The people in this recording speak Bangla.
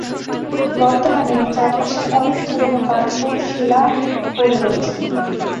বর্তমানে এর চারপাশে অনেক পুরানো পাথর, শিলা পড়ে রয়েছে।